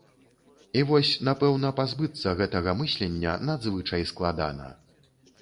І вось, напэўна, пазбыцца гэтага мыслення надзвычай складана.